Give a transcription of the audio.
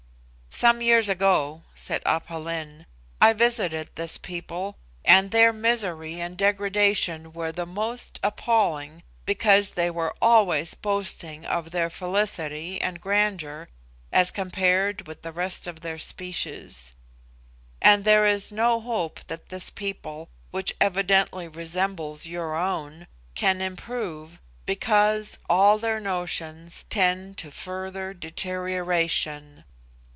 "Some years ago," said Aph Lin, "I visited this people, and their misery and degradation were the more appalling because they were always boasting of their felicity and grandeur as compared with the rest of their species. And there is no hope that this people, which evidently resembles your own, can improve, because all their notions tend to further deterioration.